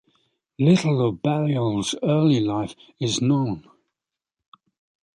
Little of Balliol's early life is known.